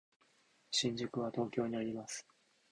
新宿は東京にあります。